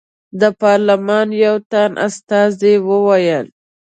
د پارلمان یو تن استازي وویل.